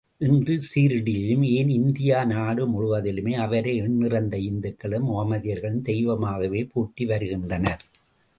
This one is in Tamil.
இன்று சீர்டியிலும், ஏன் இந்திய நாடு முழுவதிலுமே அவரை எண்ணிறந்த இந்துக்களும் முகம்மதியர்களும் தெய்வமாகவே போற்றி வருகின்றனர்.